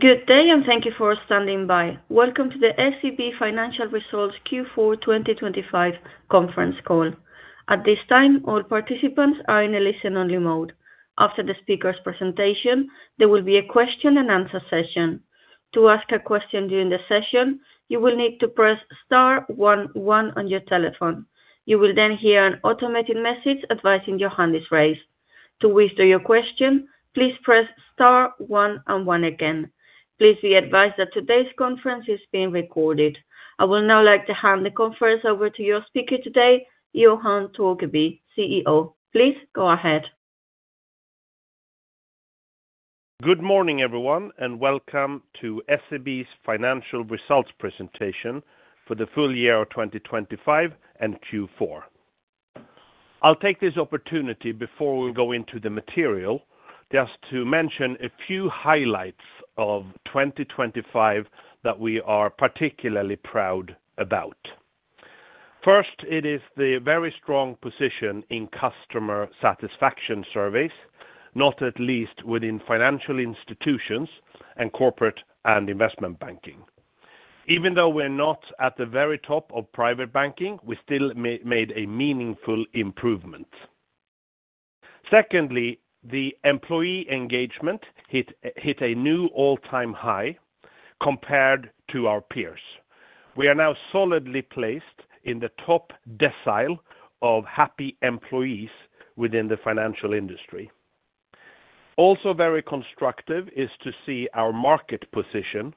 Good day, and thank you for standing by. Welcome to the SEB Financial Results Q4 2025 Conference Call. At this time, all participants are in a listen-only mode. After the speakers' presentation, there will be a question-and-answer session. To ask a question during the session, you will need to press *1* on your telephone. You will then hear an automated message advising your hand is raised. To withdraw your question, please press *1* again. Please be advised that today's conference is being recorded. I would now like to hand the conference over to your speaker today, Johan Torgeby, CEO. Please go ahead. Good morning, everyone, and welcome to SEB's financial results presentation for the full year of 2025 and Q4. I'll take this opportunity, before we go into the material, just to mention a few highlights of 2025 that we are particularly proud about. First, it is the very strong position in customer satisfaction surveys, not least within financial institutions and corporate and investment banking. Even though we're not at the very top of private banking, we still made a meaningful improvement. Secondly, the employee engagement hit a new all-time high compared to our peers. We are now solidly placed in the top decile of happy employees within the financial industry. Also very constructive is to see our market position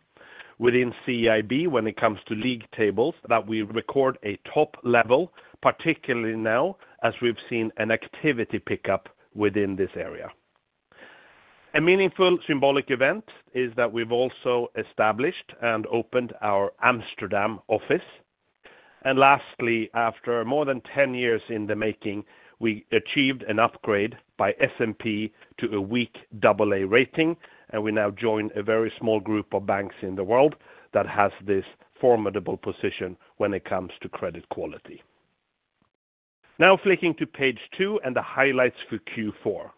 within CIB when it comes to league tables, that we record a top level, particularly now as we've seen an activity pickup within this area. A meaningful symbolic event is that we've also established and opened our Amsterdam office. Lastly, after more than 10 years in the making, we achieved an upgrade by S&P to a weak AA rating, and we now join a very small group of banks in the world that has this formidable position when it comes to credit quality. Now, flicking to page 2 and the highlights for Q4.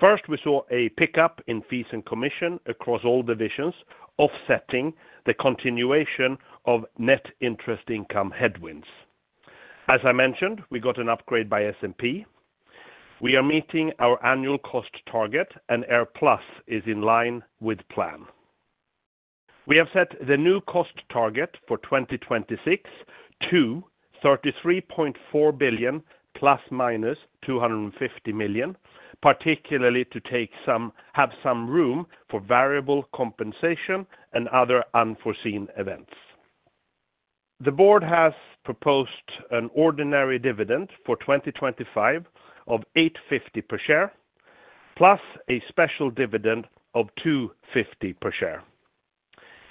First, we saw a pickup in fees and commission across all divisions, offsetting the continuation of net interest income headwinds. As I mentioned, we got an upgrade by S&P. We are meeting our annual cost target, and AirPlus is in line with plan. We have set the new cost target for 2026 to 33.4 billion ± 250 million, particularly to have some room for variable compensation and other unforeseen events. The board has proposed an ordinary dividend for 2025 of 8.50 per share, plus a special dividend of 2.50 per share.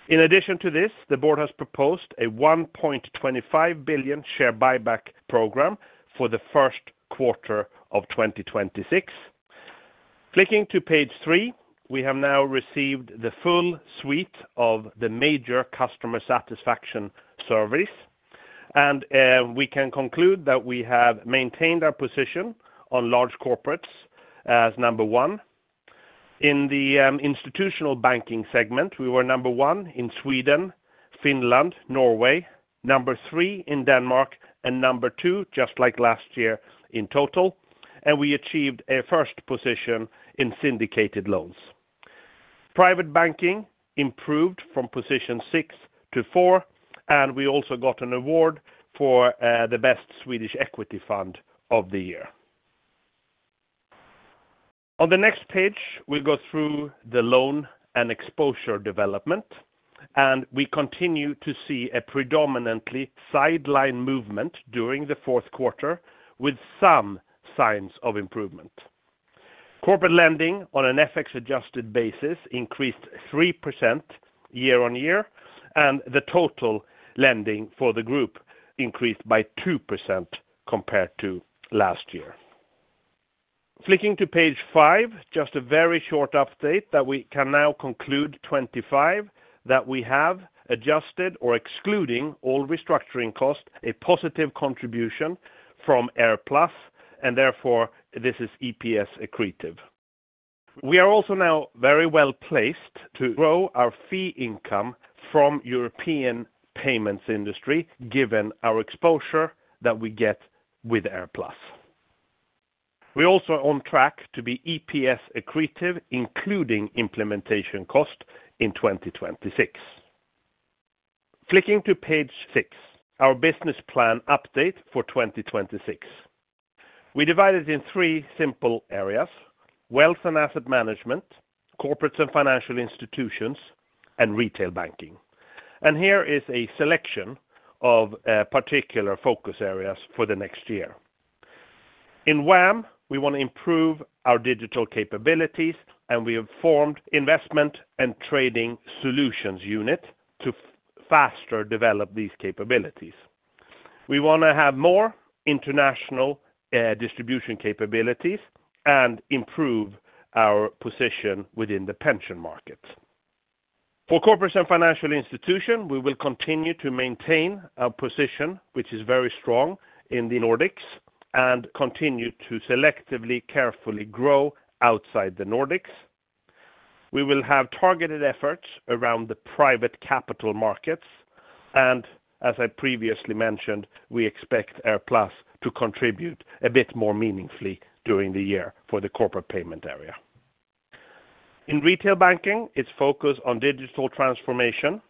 In addition to this, the board has proposed a 1.25 billion share buyback program for the first quarter of 2026. Flicking to page three, we have now received the full suite of the major customer satisfaction surveys, and we can conclude that we have maintained our position on large corporates as number one. In the institutional banking segment, we were number one in Sweden, Finland, Norway, number three in Denmark, and number two, just like last year, in total, and we achieved a first position in syndicated loans. Private banking improved from position six to four, and we also got an award for the best Swedish equity fund of the year. On the next page, we go through the loan and exposure development, and we continue to see a predominantly sideline movement during the fourth quarter, with some signs of improvement. Corporate lending on an FX-adjusted basis increased 3% year-on-year, and the total lending for the group increased by 2% compared to last year. Flicking to page five, just a very short update that we can now conclude 2025 that we have adjusted, or excluding all restructuring costs, a positive contribution from AirPlus, and therefore this is EPS accretive. We are also now very well placed to grow our fee income from the European payments industry, given our exposure that we get with AirPlus. We're also on track to be EPS accretive, including implementation costs in 2026. Flicking to page 6, our business plan update for 2026. We divide it in three simple areas: wealth and asset management, corporates and financial institutions, and retail banking. Here is a selection of particular focus areas for the next year. In WAM, we want to improve our digital capabilities, and we have formed an investment and trading solutions unit to faster develop these capabilities. We want to have more international distribution capabilities and improve our position within the pension markets. For corporates and financial institutions, we will continue to maintain our position, which is very strong in the Nordics, and continue to selectively carefully grow outside the Nordics. We will have targeted efforts around the private capital markets, and as I previously mentioned, we expect AirPlus to contribute a bit more meaningfully during the year for the corporate payment area. In retail banking, it's focus on digital transformation,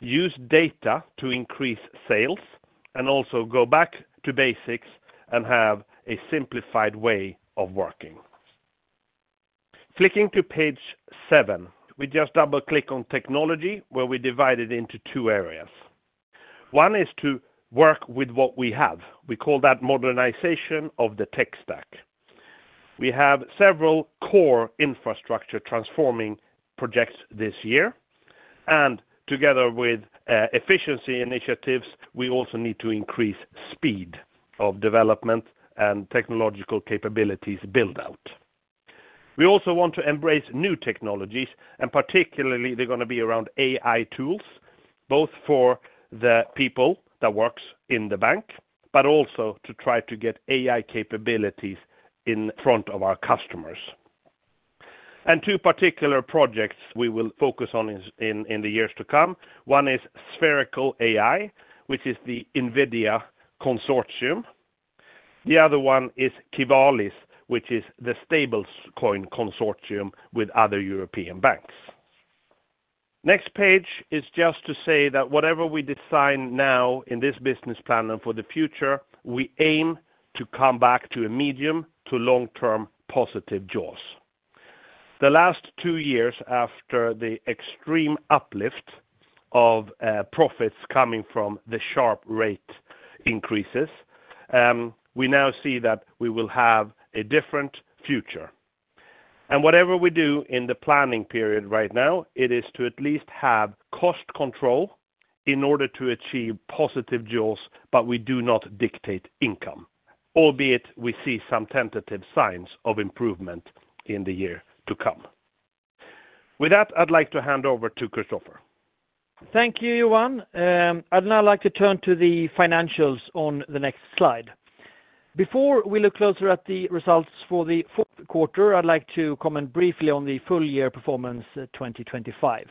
use data to increase sales, and also go back to basics and have a simplified way of working. Flicking to page 7, we just double-click on technology, where we divide it into two areas. One is to work with what we have. We call that modernization of the tech stack. We have several core infrastructure transforming projects this year, and together with efficiency initiatives, we also need to increase speed of development and technological capabilities build-out. We also want to embrace new technologies, and particularly, they're going to be around AI tools, both for the people that work in the bank, but also to try to get AI capabilities in front of our customers. And two particular projects we will focus on in the years to come. One is Sferical AI, which is the NVIDIA consortium. The other one is Qivalis, which is the stablecoin consortium with other European banks. Next page is just to say that whatever we design now in this business plan and for the future, we aim to come back to a medium to long-term positive jaws. The last two years after the extreme uplift of profits coming from the sharp rate increases, we now see that we will have a different future. Whatever we do in the planning period right now, it is to at least have cost control in order to achieve positive jaws, but we do not dictate income, albeit we see some tentative signs of improvement in the year to come. With that, I'd like to hand over to Christopher. Thank you, Johan. I'd now like to turn to the financials on the next slide. Before we look closer at the results for the fourth quarter, I'd like to comment briefly on the full year performance 2025.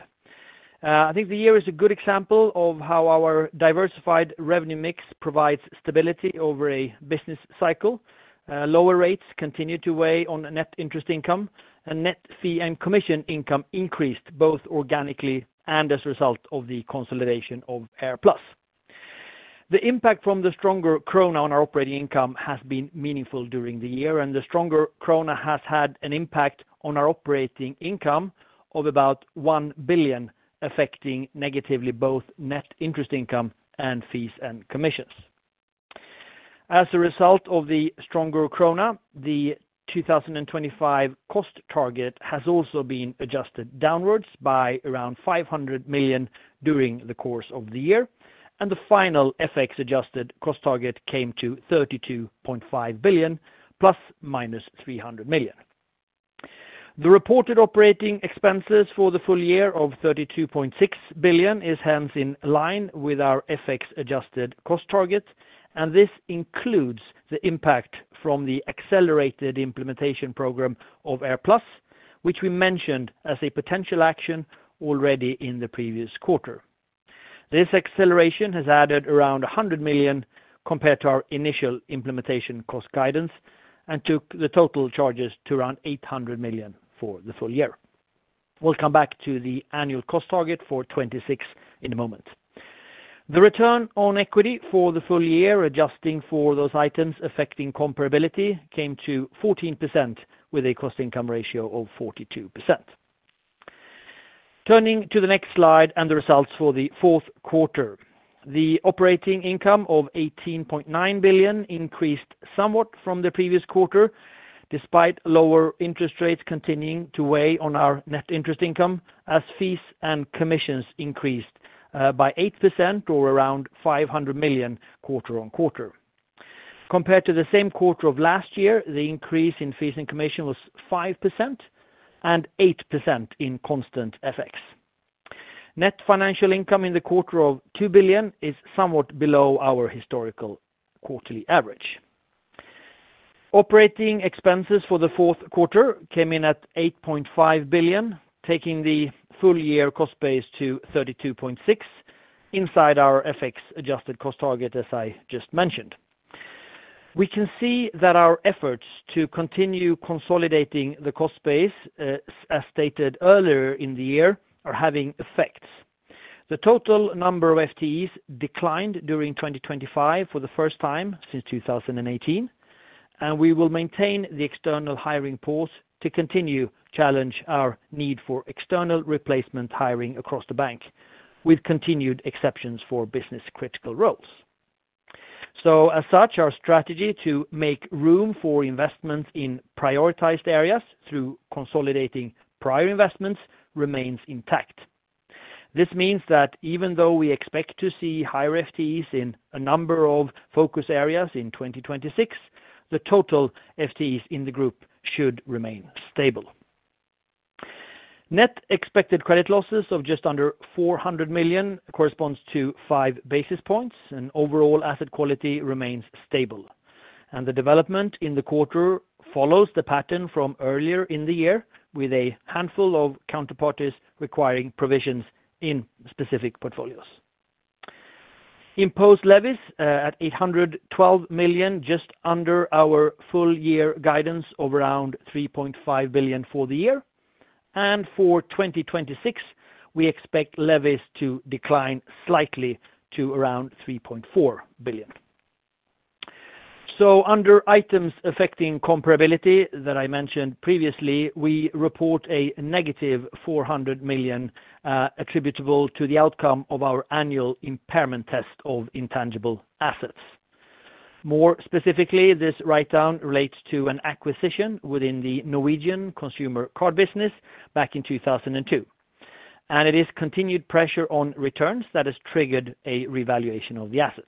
I think the year is a good example of how our diversified revenue mix provides stability over a business cycle. Lower rates continue to weigh on net interest income, and net fee and commission income increased both organically and as a result of the consolidation of AirPlus. The impact from the stronger krona on our operating income has been meaningful during the year, and the stronger krona has had an impact on our operating income of about 1 billion, affecting negatively both net interest income and fees and commissions. As a result of the stronger krona, the 2025 cost target has also been adjusted downwards by around 500 million during the course of the year, and the final FX-adjusted cost target came to 32.5 billion, ± 300 million. The reported operating expenses for the full year of 32.6 billion is, hence, in line with our FX-adjusted cost target, and this includes the impact from the accelerated implementation program of AirPlus, which we mentioned as a potential action already in the previous quarter. This acceleration has added around 100 million compared to our initial implementation cost guidance and took the total charges to around 800 million for the full year. We'll come back to the annual cost target for 2026 in a moment. The return on equity for the full year, adjusting for those items affecting comparability, came to 14% with a cost-income ratio of 42%. Turning to the next slide and the results for the fourth quarter, the operating income of 18.9 billion increased somewhat from the previous quarter, despite lower interest rates continuing to weigh on our net interest income, as fees and commissions increased by 8%, or around 500 million quarter-on-quarter. Compared to the same quarter of last year, the increase in fees and commissions was 5% and 8% in constant FX. Net financial income in the quarter of 2 billion is somewhat below our historical quarterly average. Operating expenses for the fourth quarter came in at 8.5 billion, taking the full year cost base to 32.6 billion inside our FX-adjusted cost target, as I just mentioned. We can see that our efforts to continue consolidating the cost base, as stated earlier in the year, are having effects. The total number of FTEs declined during 2025 for the first time since 2018, and we will maintain the external hiring pause to continue to challenge our need for external replacement hiring across the bank, with continued exceptions for business-critical roles. So, as such, our strategy to make room for investments in prioritized areas through consolidating prior investments remains intact. This means that even though we expect to see higher FTEs in a number of focus areas in 2026, the total FTEs in the group should remain stable. Net expected credit losses of just under 400 million corresponds to 5 basis points, and overall asset quality remains stable. The development in the quarter follows the pattern from earlier in the year, with a handful of counterparties requiring provisions in specific portfolios. Imposed levies at 812 million, just under our full year guidance of around 3.5 billion for the year. For 2026, we expect levies to decline slightly to around 3.4 billion. Under items affecting comparability that I mentioned previously, we report a negative 400 million attributable to the outcome of our annual impairment test of intangible assets. More specifically, this write-down relates to an acquisition within the Norwegian consumer card business back in 2002, and it is continued pressure on returns that has triggered a revaluation of the asset.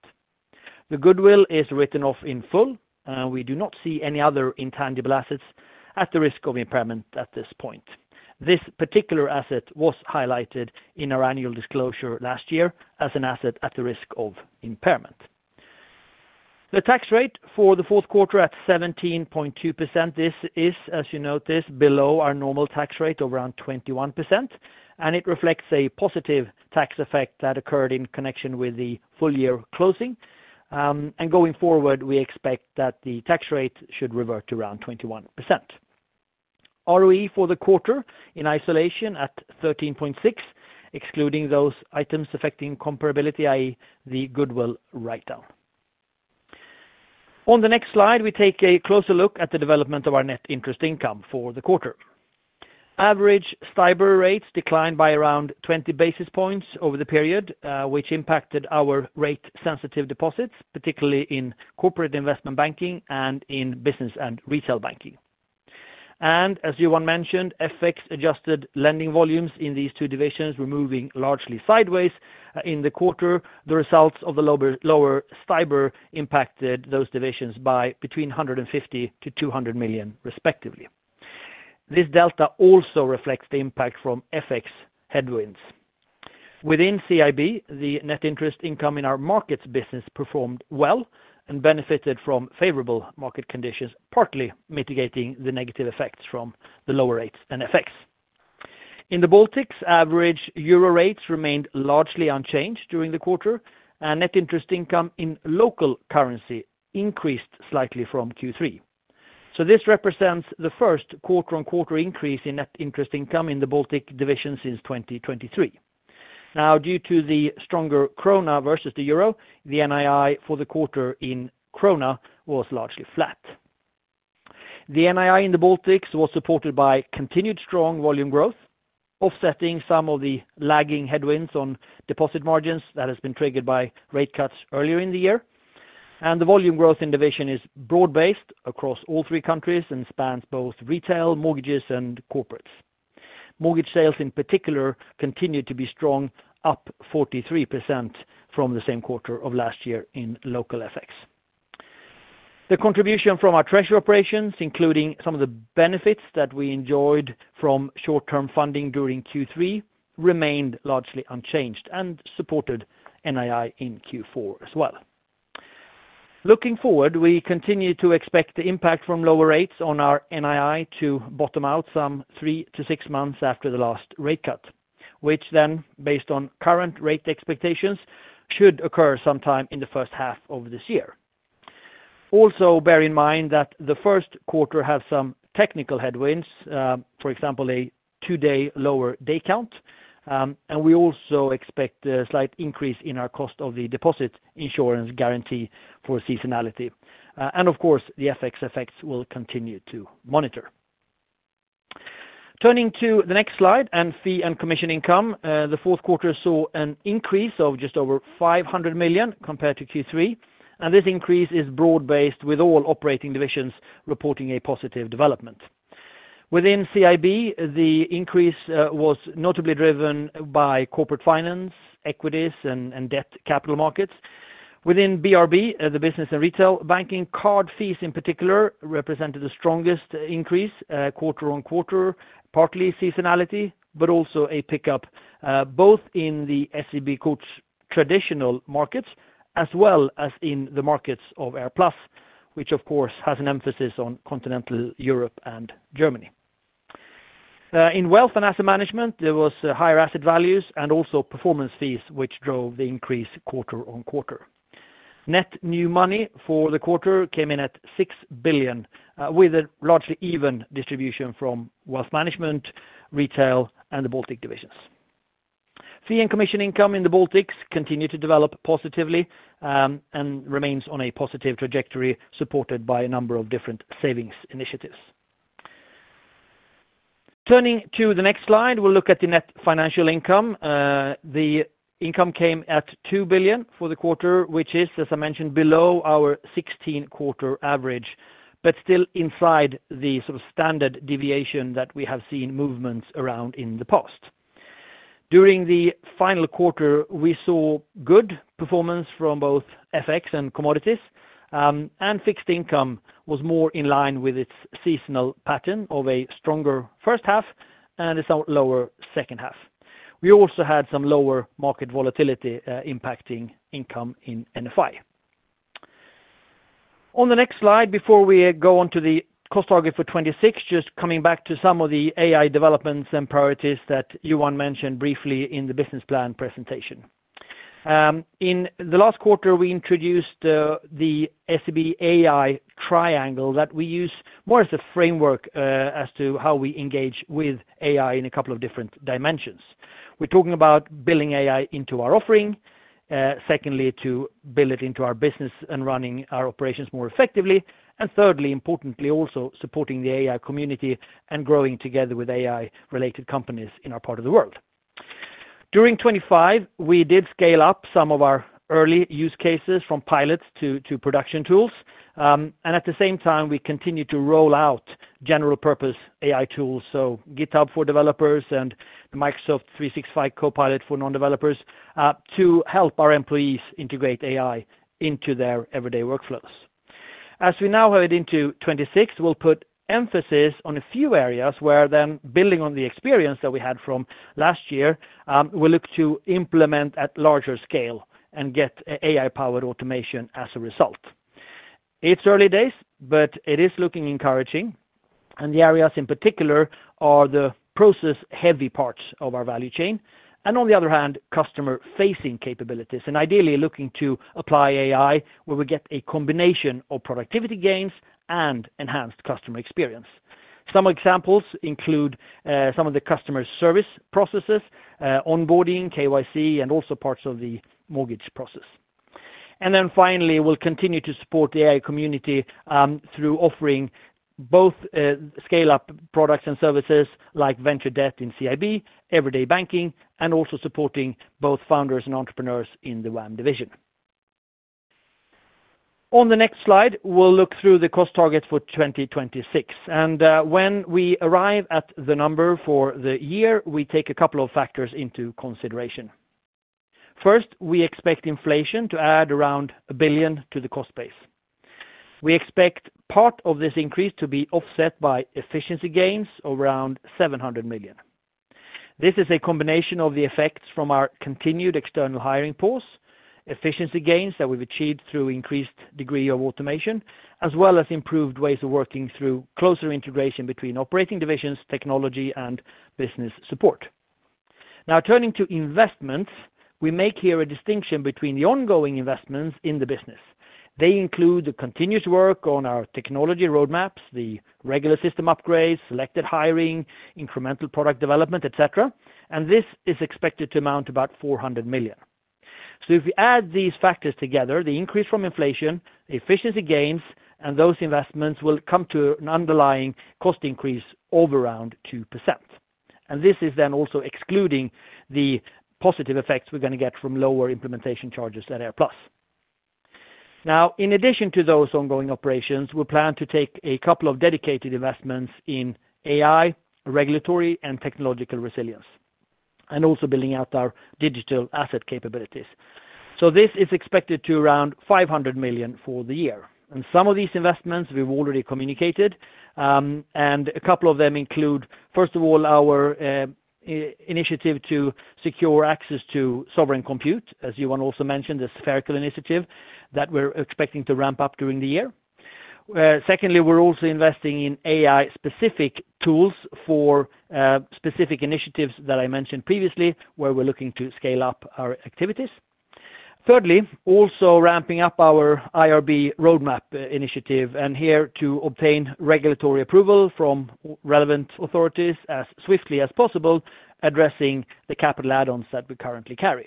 The goodwill is written off in full, and we do not see any other intangible assets at the risk of impairment at this point. This particular asset was highlighted in our annual disclosure last year as an asset at the risk of impairment. The tax rate for the fourth quarter at 17.2%, this is, as you notice, below our normal tax rate of around 21%, and it reflects a positive tax effect that occurred in connection with the full year closing. Going forward, we expect that the tax rate should revert to around 21%. ROE for the quarter in isolation at 13.6%, excluding those items affecting comparability, i.e., the goodwill write-down. On the next slide, we take a closer look at the development of our net interest income for the quarter. Average STIBOR rates declined by around 20 basis points over the period, which impacted our rate-sensitive deposits, particularly in corporate investment banking and in business and retail banking. As Johan mentioned, FX-adjusted lending volumes in these two divisions were moving largely sideways in the quarter. The results of the lower STIBOR impacted those divisions by between 150 million-200 million, respectively. This delta also reflects the impact from FX headwinds. Within CIB, the net interest income in our markets business performed well and benefited from favorable market conditions, partly mitigating the negative effects from the lower rates and FX. In the Baltics, average euro rates remained largely unchanged during the quarter, and net interest income in local currency increased slightly from Q3. So this represents the first quarter-on-quarter increase in net interest income in the Baltic division since 2023. Now, due to the stronger krona versus the euro, the NII for the quarter in krona was largely flat. The NII in the Baltics was supported by continued strong volume growth, offsetting some of the lagging headwinds on deposit margins that have been triggered by rate cuts earlier in the year. The volume growth in the division is broad-based across all three countries and spans both retail, mortgages, and corporates. Mortgage sales, in particular, continued to be strong, up 43% from the same quarter of last year in local FX. The contribution from our treasury operations, including some of the benefits that we enjoyed from short-term funding during Q3, remained largely unchanged and supported NII in Q4 as well. Looking forward, we continue to expect the impact from lower rates on our NII to bottom out some three to six months after the last rate cut, which then, based on current rate expectations, should occur sometime in the first half of this year. Also, bear in mind that the first quarter has some technical headwinds, for example, a two-day lower day count. We also expect a slight increase in our cost of the deposit insurance guarantee for seasonality. Of course, the FX effects will continue to monitor. Turning to the next slide and fee and commission income, the fourth quarter saw an increase of just over 500 million compared to Q3. This increase is broad-based, with all operating divisions reporting a positive development. Within CIB, the increase was notably driven by corporate finance, equities, and debt capital markets. Within BRB, the business and retail banking, card fees in particular represented the strongest increase quarter on quarter, partly seasonality, but also a pickup both in the SEB's core traditional markets as well as in the markets of AirPlus, which of course has an emphasis on continental Europe and Germany. In wealth and asset management, there were higher asset values and also performance fees, which drove the increase quarter on quarter. Net new money for the quarter came in at 6 billion, with a largely even distribution from wealth management, retail, and the Baltic divisions. Fee and commission income in the Baltics continued to develop positively and remains on a positive trajectory, supported by a number of different savings initiatives. Turning to the next slide, we'll look at the net financial income. The income came at 2 billion for the quarter, which is, as I mentioned, below our 16-quarter average, but still inside the sort of standard deviation that we have seen movements around in the past. During the final quarter, we saw good performance from both FX and commodities, and fixed income was more in line with its seasonal pattern of a stronger first half and a somewhat lower second half. We also had some lower market volatility impacting income in NFI. On the next slide, before we go on to the cost target for 2026, just coming back to some of the AI developments and priorities that Johan mentioned briefly in the business plan presentation. In the last quarter, we introduced the SEB AI triangle that we use more as a framework as to how we engage with AI in a couple of different dimensions. We're talking about building AI into our offering, secondly, to build it into our business and running our operations more effectively, and thirdly, importantly, also supporting the AI community and growing together with AI-related companies in our part of the world. During 2025, we did scale up some of our early use cases from pilots to production tools. At the same time, we continued to roll out general-purpose AI tools, so GitHub for developers and Microsoft 365 Copilot for non-developers, to help our employees integrate AI into their everyday workflows. As we now head into 2026, we'll put emphasis on a few areas where then, building on the experience that we had from last year, we'll look to implement at larger scale and get AI-powered automation as a result. It's early days, but it is looking encouraging. The areas in particular are the process-heavy parts of our value chain. On the other hand, customer-facing capabilities and ideally looking to apply AI where we get a combination of productivity gains and enhanced customer experience. Some examples include some of the customer service processes, onboarding, KYC, and also parts of the mortgage process. Then finally, we'll continue to support the AI community through offering both scale-up products and services like venture debt in CIB, everyday banking, and also supporting both founders and entrepreneurs in the WAM division. On the next slide, we'll look through the cost targets for 2026. When we arrive at the number for the year, we take a couple of factors into consideration. First, we expect inflation to add around 1 billion to the cost base. We expect part of this increase to be offset by efficiency gains of around 700 million. This is a combination of the effects from our continued external hiring pause, efficiency gains that we've achieved through increased degree of automation, as well as improved ways of working through closer integration between operating divisions, technology, and business support. Now, turning to investments, we make here a distinction between the ongoing investments in the business. They include the continuous work on our technology roadmaps, the regular system upgrades, selected hiring, incremental product development, etc. This is expected to amount to about 400 million. If we add these factors together, the increase from inflation, efficiency gains, and those investments will come to an underlying cost increase of around 2%. This is then also excluding the positive effects we're going to get from lower implementation charges at AirPlus. Now, in addition to those ongoing operations, we plan to take a couple of dedicated investments in AI regulatory and technological resilience, and also building out our digital asset capabilities. This is expected to around 500 million for the year. And some of these investments we've already communicated, and a couple of them include, first of all, our initiative to secure access to sovereign compute, as Johan also mentioned, the Sferical Initiative that we're expecting to ramp up during the year. Secondly, we're also investing in AI-specific tools for specific initiatives that I mentioned previously, where we're looking to scale up our activities. Thirdly, also ramping up our IRB roadmap initiative and here to obtain regulatory approval from relevant authorities as swiftly as possible, addressing the capital add-ons that we currently carry.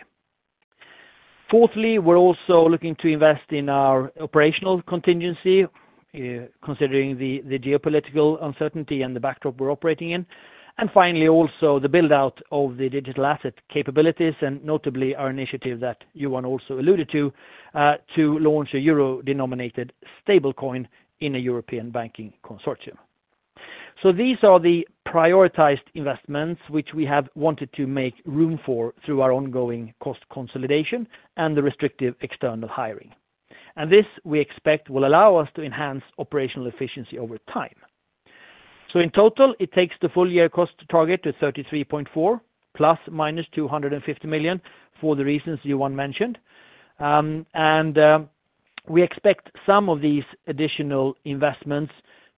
Fourthly, we're also looking to invest in our operational contingency, considering the geopolitical uncertainty and the backdrop we're operating in. And finally, also the build-out of the digital asset capabilities, and notably our initiative that Johan also alluded to, to launch a euro-denominated stablecoin in a European banking consortium. So these are the prioritized investments which we have wanted to make room for through our ongoing cost consolidation and the restrictive external hiring. This, we expect, will allow us to enhance operational efficiency over time. In total, it takes the full year cost target to 33.4 billion ± 250 million for the reasons Johan mentioned. We expect some of these additional investments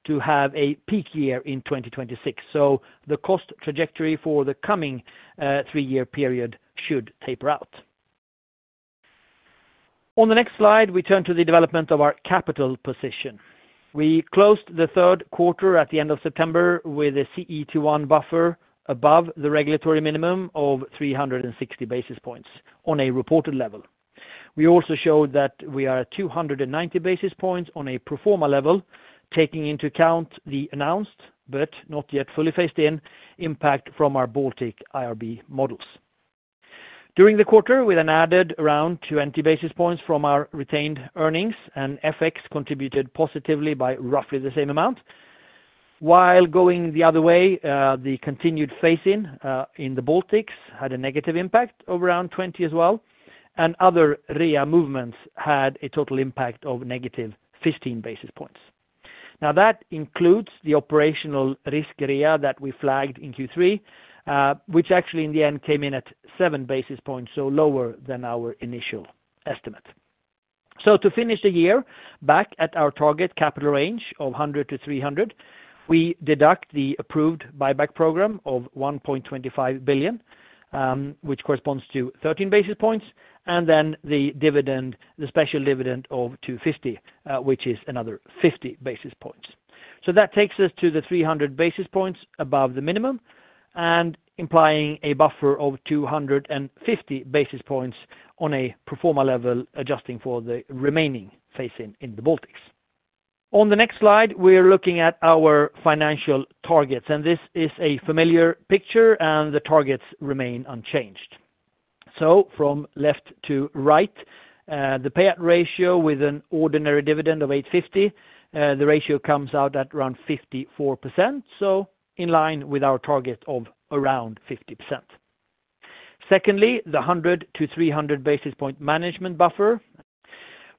to have a peak year in 2026. The cost trajectory for the coming three-year period should taper out. On the next slide, we turn to the development of our capital position. We closed the third quarter at the end of September with a CET1 buffer above the regulatory minimum of 360 basis points on a reported level. We also showed that we are at 290 basis points on a pro forma level, taking into account the announced but not yet fully phased-in impact from our Baltic IRB models. During the quarter, we then added around 20 basis points from our retained earnings, and FX contributed positively by roughly the same amount. While going the other way, the continued phase-in in the Baltics had a negative impact of around 20 as well, and other REA movements had a total impact of negative 15 basis points. Now, that includes the operational risk REA that we flagged in Q3, which actually in the end came in at 7 basis points, so lower than our initial estimate. To finish the year, back at our target capital range of 100-300, we deduct the approved buyback program of 1.25 billion, which corresponds to 13 basis points, and then the special dividend of 2.50, which is another 50 basis points. So that takes us to the 300 basis points above the minimum, and implying a buffer of 250 basis points on a pro forma level, adjusting for the remaining phase-in in the Baltics. On the next slide, we're looking at our financial targets, and this is a familiar picture, and the targets remain unchanged. So from left to right, the payout ratio with an ordinary dividend of 8.50, the ratio comes out at around 54%, so in line with our target of around 50%. Secondly, the 100-300 basis point management buffer.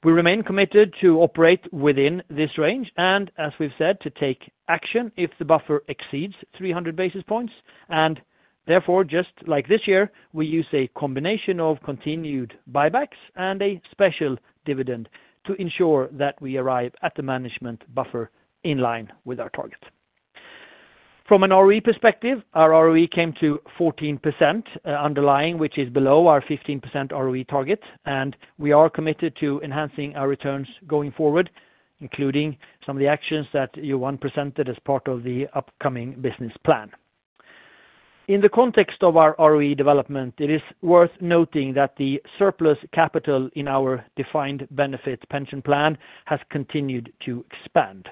We remain committed to operate within this range, and as we've said, to take action if the buffer exceeds 300 basis points. Therefore, just like this year, we use a combination of continued buybacks and a special dividend to ensure that we arrive at the management buffer in line with our target. From an ROE perspective, our ROE came to 14% underlying, which is below our 15% ROE target, and we are committed to enhancing our returns going forward, including some of the actions that Johan presented as part of the upcoming business plan. In the context of our ROE development, it is worth noting that the surplus capital in our defined benefits pension plan has continued to expand.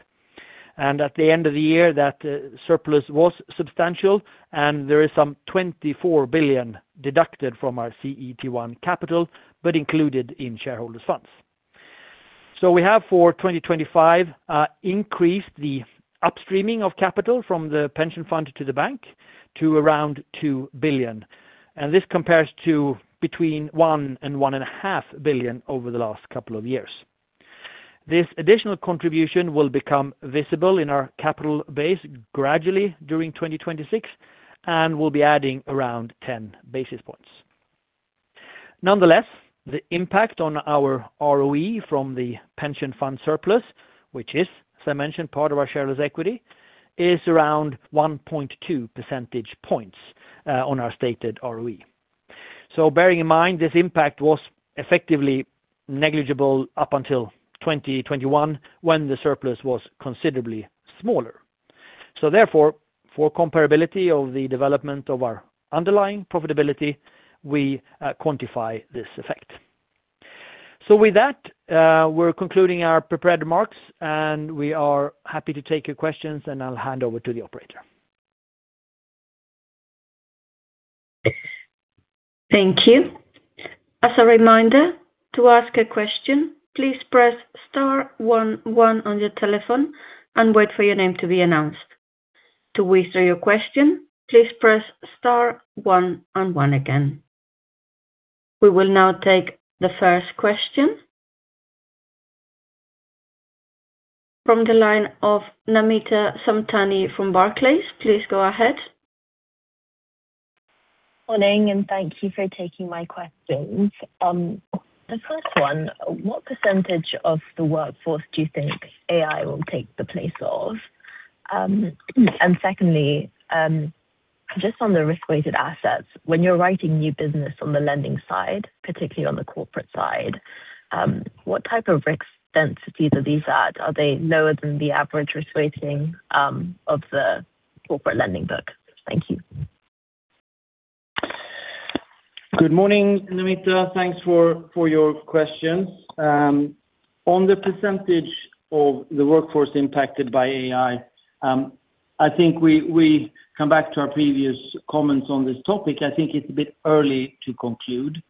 At the end of the year, that surplus was substantial, and there is some 24 billion deducted from our CET1 capital, but included in shareholders' funds. We have for 2025 increased the upstreaming of capital from the pension fund to the bank to around 2 billion. This compares to between 1 billion and 1.5 billion over the last couple of years. This additional contribution will become visible in our capital base gradually during 2026 and will be adding around 10 basis points. Nonetheless, the impact on our ROE from the pension fund surplus, which is, as I mentioned, part of our shareholders' equity, is around 1.2 percentage points on our stated ROE. So, bearing in mind, this impact was effectively negligible up until 2021 when the surplus was considerably smaller. Therefore, for comparability of the development of our underlying profitability, we quantify this effect. With that, we're concluding our prepared remarks, and we are happy to take your questions, and I'll hand over to the operator. Thank you. As a reminder, to ask a question, please press star 11 on your telephone and wait for your name to be announced. To whisper your question, please press star 1 one one again. We will now take the first question from the line of Namita Samtani from Barclays. Please go ahead. Morning, and thank you for taking my questions. The first one, what percentage of the workforce do you think AI will take the place of? And secondly, just on the risk-weighted assets, when you're writing new business on the lending side, particularly on the corporate side, what type of risk density do these add? Are they lower than the average risk weighting of the corporate lending book? Thank you. Good morning, Namita. Thanks for your questions. On the percentage of the workforce impacted by AI, I think we come back to our previous comments on this topic. I think it's a bit early to conclude.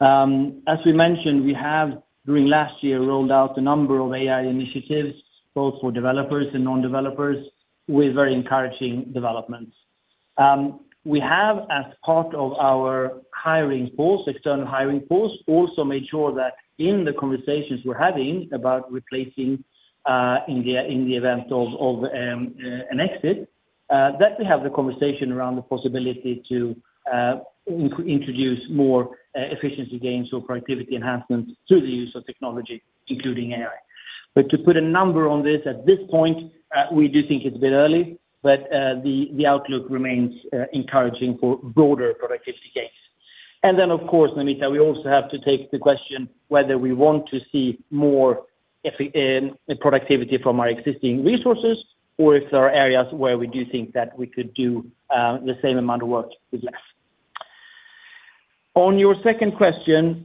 As we mentioned, we have, during last year, rolled out a number of AI initiatives, both for developers and non-developers, with very encouraging developments. We have, as part of our hiring force, external hiring force, also made sure that in the conversations we're having about replacing in the event of an exit, that we have the conversation around the possibility to introduce more efficiency gains or productivity enhancements through the use of technology, including AI. But to put a number on this, at this point, we do think it's a bit early, but the outlook remains encouraging for broader productivity gains. Then, of course, Namita, we also have to take the question whether we want to see more productivity from our existing resources or if there are areas where we do think that we could do the same amount of work with less. On your second question,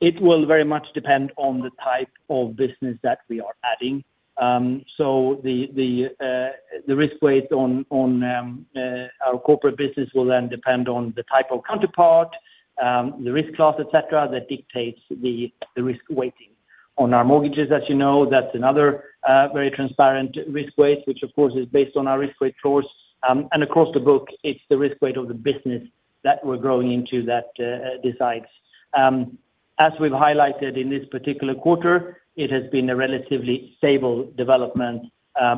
it will very much depend on the type of business that we are adding. So the risk weight on our corporate business will then depend on the type of counterpart, the risk class, etc., that dictates the risk weighting. On our mortgages, as you know, that's another very transparent risk weight, which, of course, is based on our risk weight source. Across the book, it's the risk weight of the business that we're growing into that decides. As we've highlighted in this particular quarter, it has been a relatively stable development,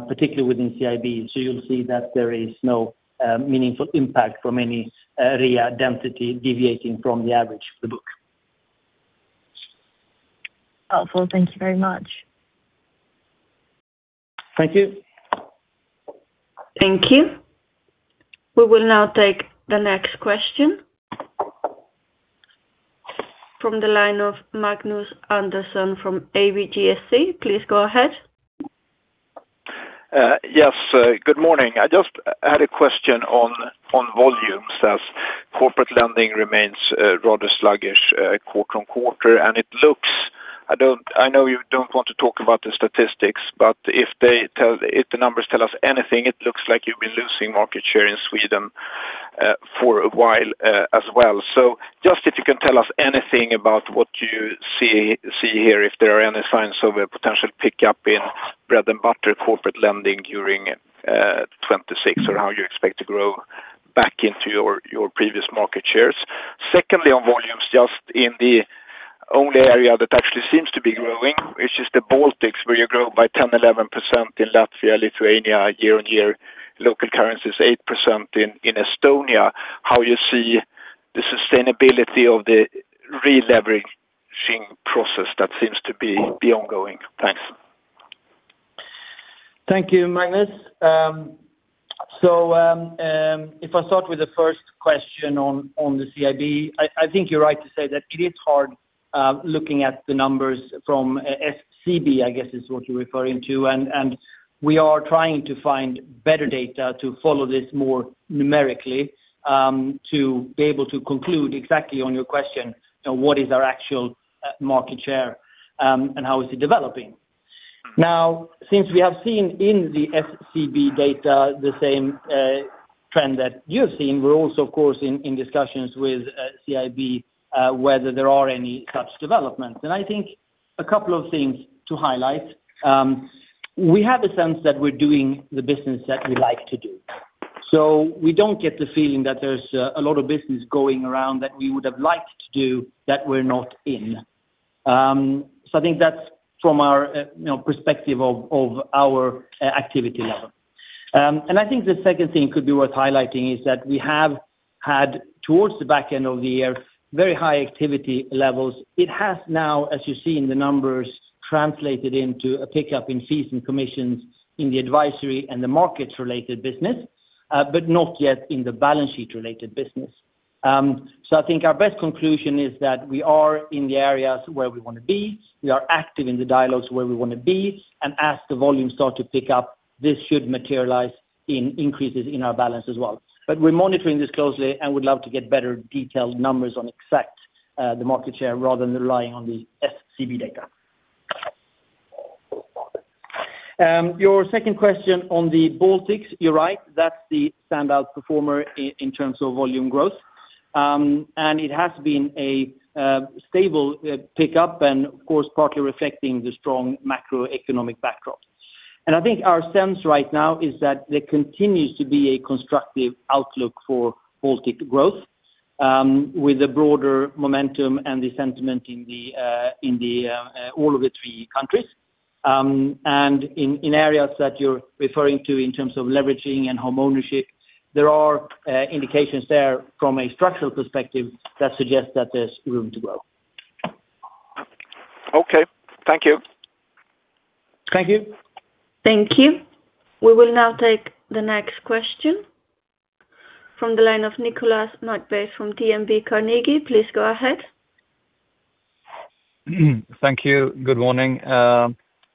particularly within CIB. So you'll see that there is no meaningful impact from any REA density deviating from the average of the book. Helpful. Thank you very much. Thank you. Thank you. We will now take the next question from the line of Magnus Andersson from ABGSC. Please go ahead. Yes. Good morning. I just had a question on volumes as corporate lending remains rather sluggish quarter-on-quarter, and it looks, I know you don't want to talk about the statistics, but if the numbers tell us anything, it looks like you've been losing market share in Sweden for a while as well. So just if you can tell us anything about what you see here, if there are any signs of a potential pickup in bread and butter corporate lending during 2026, or how you expect to grow back into your previous market shares. Secondly, on volumes, just in the only area that actually seems to be growing, which is the Baltics, where you grow by 10%-11% in Latvia, Lithuania, year-on-year, local currencies 8% in Estonia, how you see the sustainability of the re-leveraging process that seems to be ongoing. Thanks. Thank you, Magnus. So if I start with the first question on the CIB, I think you're right to say that it is hard looking at the numbers from SCB, I guess is what you're referring to. And we are trying to find better data to follow this more numerically to be able to conclude exactly on your question, what is our actual market share and how is it developing. Now, since we have seen in the SCB data the same trend that you've seen, we're also, of course, in discussions with CIB whether there are any such developments. I think a couple of things to highlight. We have a sense that we're doing the business that we like to do. So we don't get the feeling that there's a lot of business going around that we would have liked to do that we're not in. So I think that's from our perspective of our activity level. And I think the second thing could be worth highlighting is that we have had towards the back end of the year very high activity levels. It has now, as you see in the numbers, translated into a pickup in fees and commissions in the advisory and the markets-related business, but not yet in the balance sheet-related business. So I think our best conclusion is that we are in the areas where we want to be. We are active in the dialogues where we want to be. As the volumes start to pick up, this should materialize in increases in our balance as well. But we're monitoring this closely and would love to get better detailed numbers on the exact market share rather than relying on the SCB data. Your second question on the Baltics, you're right. That's the standout performer in terms of volume growth. It has been a stable pickup and, of course, partly reflecting the strong macroeconomic backdrop. I think our sense right now is that there continues to be a constructive outlook for Baltic growth with a broader momentum and the sentiment in all of the three countries. In areas that you're referring to in terms of leveraging and homeownership, there are indications there from a structural perspective that suggest that there's room to grow. Okay. Thank you. Thank you. Thank you. We will now take the next question from the line of Nicolas McBeath from DNB Carnegie. Please go ahead. Thank you. Good morning.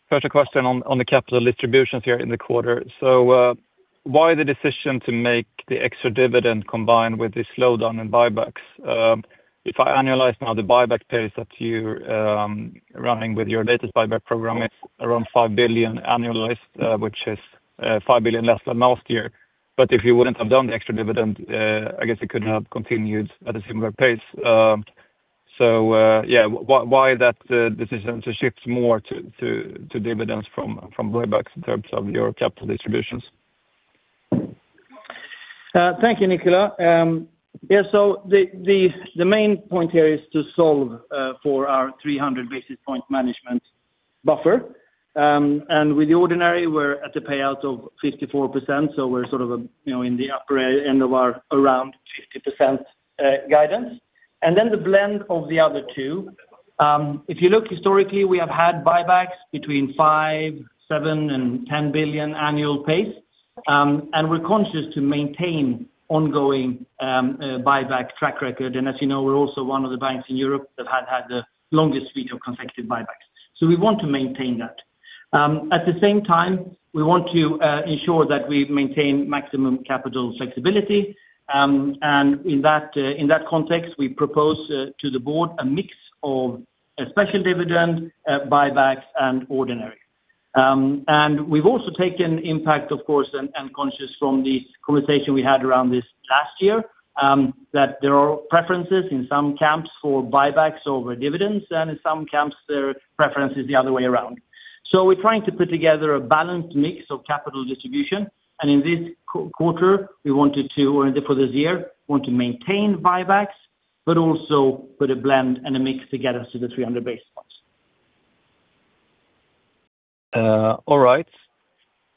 First, a question on the capital distributions here in the quarter. So why the decision to make the extra dividend combined with the slowdown in buybacks? If I analyze now, the buyback pace that you're running with your latest buyback program is around 5 billion annualized, which is 5 billion less than last year. But if you wouldn't have done the extra dividend, I guess it could have continued at a similar pace. So yeah, why that decision to shift more to dividends from buybacks in terms of your capital distributions? Thank you, Nicolas. Yeah. So the main point here is to solve for our 300 basis point management buffer. And with the ordinary, we're at the payout of 54%. So we're sort of in the upper end of our around 50% guidance. And then the blend of the other two. If you look historically, we have had buybacks between 5 billion, 7 billion, and 10 billion annual pace. And we're conscious to maintain ongoing buyback track record. And as you know, we're also one of the banks in Europe that had had the longest period of consecutive buybacks. So we want to maintain that. At the same time, we want to ensure that we maintain maximum capital flexibility. And in that context, we propose to the board a mix of special dividend, buybacks, and ordinary. And we've also taken impact, of course, and conscious from the conversation we had around this last year, that there are preferences in some camps for buybacks over dividends, and in some camps, there are preferences the other way around. So we're trying to put together a balanced mix of capital distribution. And in this quarter, we wanted to, or for this year, want to maintain buybacks, but also put a blend and a mix together to the 300 basis points. All right.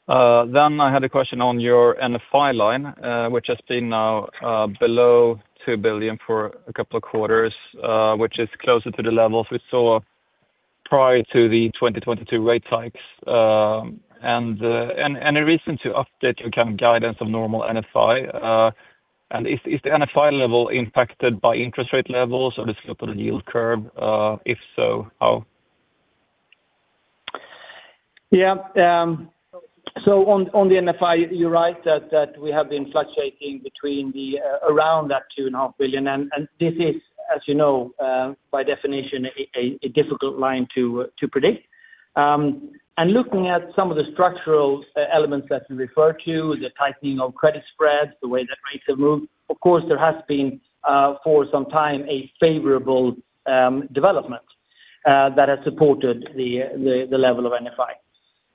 Then I had a question on your NFI line, which has been now below 2 billion for a couple of quarters, which is closer to the levels we saw prior to the 2022 rate hikes. And any reason to update your current guidance on normal NFI? And is the NFI level impacted by interest rate levels or the scope of the yield curve? If so, how? Yeah. So on the NFI, you're right that we have been fluctuating between around that 2.5 billion. And this is, as you know, by definition, a difficult line to predict. Looking at some of the structural elements that you refer to, the tightening of credit spreads, the way that rates have moved, of course, there has been for some time a favorable development that has supported the level of NFI.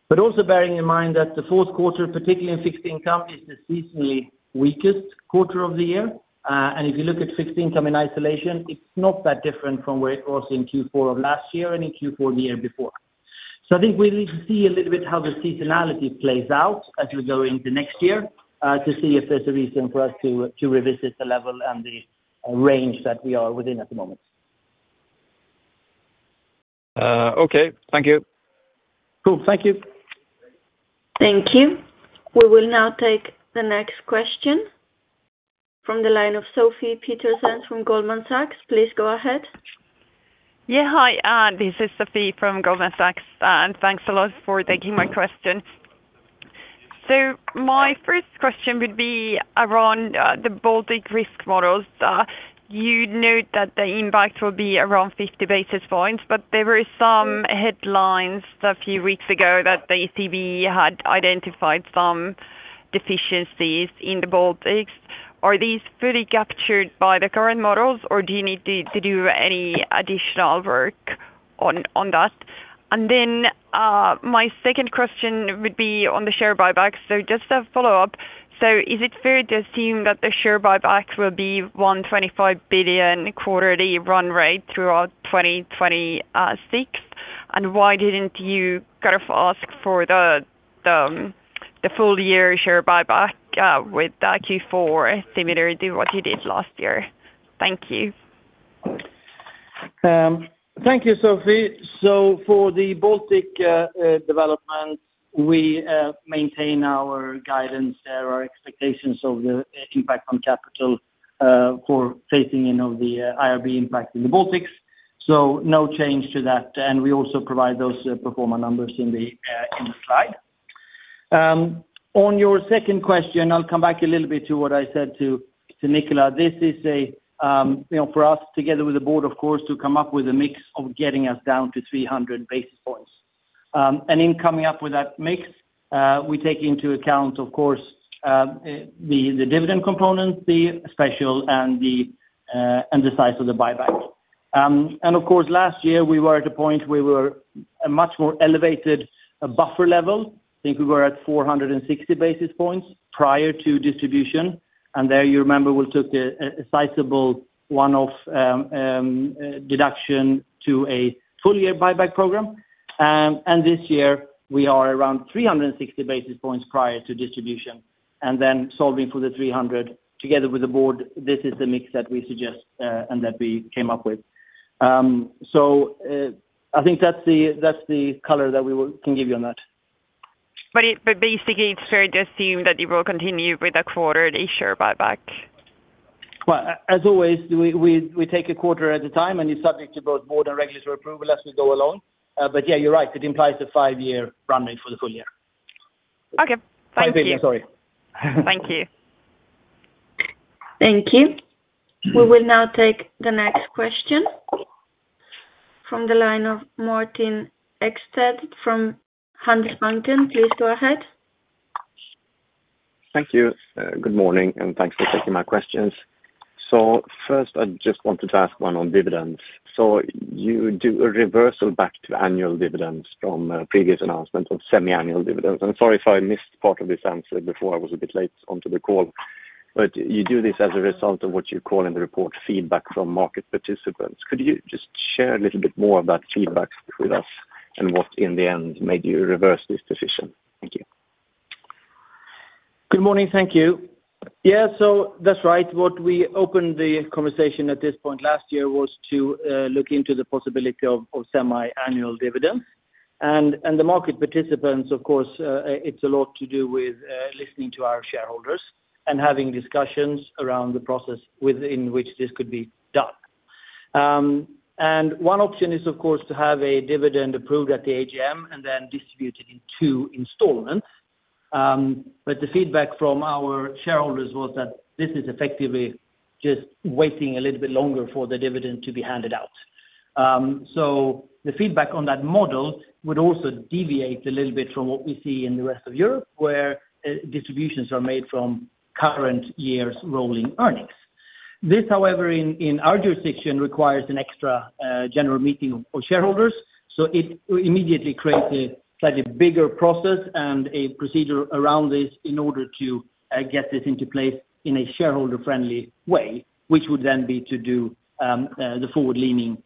But also bearing in mind that the fourth quarter, particularly in fixed income, is the seasonally weakest quarter of the year. If you look at fixed income in isolation, it's not that different from where it was in Q4 of last year and in Q4 the year before. So I think we need to see a little bit how the seasonality plays out as we go into next year to see if there's a reason for us to revisit the level and the range that we are within at the moment. Okay. Thank you. Cool. Thank you. Thank you. We will now take the next question from the line of Sofie Peterzens from Goldman Sachs. Please go ahead. Yeah. Hi. This is Sofie from Goldman Sachs. And thanks a lot for taking my question. So my first question would be around the Baltic risk models. You note that the impact will be around 50 basis points, but there were some headlines a few weeks ago that the ECB had identified some deficiencies in the Baltics. Are these fully captured by the current models, or do you need to do any additional work on that? And then my second question would be on the share buybacks. So just a follow-up. So is it fair to assume that the share buybacks will be 1.25 billion quarterly run rate throughout 2026? And why didn't you kind of ask for the full-year share buyback with Q4 similar to what you did last year? Thank you. Thank you, Sophie. So for the Baltic development, we maintain our guidance there, our expectations of the impact on capital for phasing in of the IRB impact in the Baltics. So no change to that. And we also provide those pro forma numbers in the slide. On your second question, I'll come back a little bit to what I said to Nikola. This is for us, together with the board, of course, to come up with a mix of getting us down to 300 basis points. And in coming up with that mix, we take into account, of course, the dividend component, the special, and the size of the buyback. And of course, last year, we were at a point where we were a much more elevated buffer level. I think we were at 460 basis points prior to distribution. There, you remember, we took a sizable one-off deduction to a full-year buyback program. This year, we are around 360 basis points prior to distribution. Then solving for the 300 together with the board, this is the mix that we suggest and that we came up with. So I think that's the color that we can give you on that. But basically, it's fair to assume that you will continue with a quarterly share buyback. Well, as always, we take a quarter at a time, and it's subject to both board and regulatory approval as we go along. But yeah, you're right. It implies a five-year run rate for the full year. Okay. Thank you. I beg your pardon. Sorry. Thank you. Thank you. We will now take the next question from the line of Martin Ekstedt from Handelsbanken. Please go ahead. Thank you. Good morning, and thanks for taking my questions. So first, I just wanted to ask one on dividends. So you do a reversal back to annual dividends from previous announcements of semi-annual dividends. I'm sorry if I missed part of this answer before I was a bit late onto the call. But you do this as a result of what you call in the report feedback from market participants. Could you just share a little bit more about feedback with us and what in the end made you reverse this decision? Thank you. Good morning. Thank you. Yeah. So that's right. What we opened the conversation at this point last year was to look into the possibility of semi-annual dividends. And the market participants, of course, it's a lot to do with listening to our shareholders and having discussions around the process within which this could be done. One option is, of course, to have a dividend approved at the AGM and then distributed in two installments. The feedback from our shareholders was that this is effectively just waiting a little bit longer for the dividend to be handed out. The feedback on that model would also deviate a little bit from what we see in the rest of Europe, where distributions are made from current year's rolling earnings. This, however, in our jurisdiction, requires an extra general meeting of shareholders. It immediately creates a slightly bigger process and a procedure around this in order to get this into place in a shareholder-friendly way, which would then be to do the forward-leaning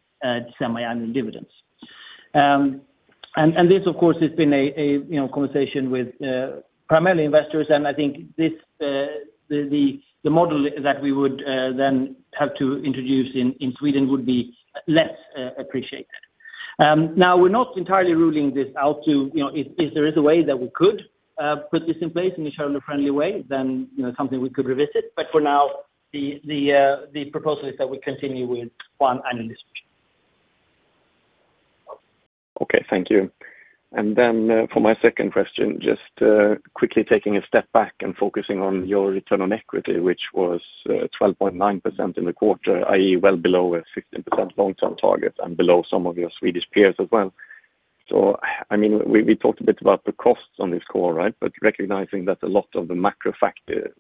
semi-annual dividends. This, of course, has been a conversation with primarily investors. I think the model that we would then have to introduce in Sweden would be less appreciated. Now, we're not entirely ruling this out. If there is a way that we could put this in place in a shareholder-friendly way, then something we could revisit. But for now, the proposal is that we continue with one annual distribution. Okay. Thank you. And then for my second question, just quickly taking a step back and focusing on your return on equity, which was 12.9% in the quarter, i.e., well below a 15% long-term target and below some of your Swedish peers as well. So I mean, we talked a bit about the costs on this call, right? But recognizing that a lot of the macro factors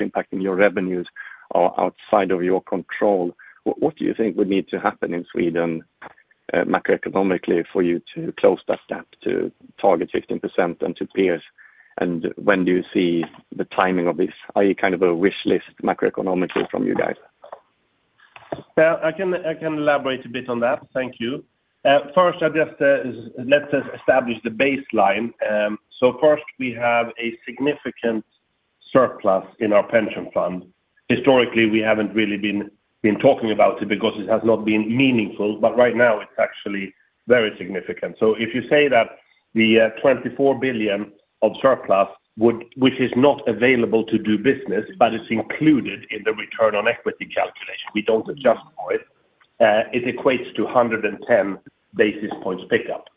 impacting your revenues are outside of your control, what do you think would need to happen in Sweden macroeconomically for you to close that gap to target 15% and to peers? And when do you see the timing of this, i.e., kind of a wish list macroeconomically from you guys? I can elaborate a bit on that. Thank you. First, let's establish the baseline. So first, we have a significant surplus in our pension fund. Historically, we haven't really been talking about it because it has not been meaningful. But right now, it's actually very significant. So if you say that the 24 billion of surplus, which is not available to do business, but it's included in the return on equity calculation, we don't adjust for it, it equates to 110 basis points pickup.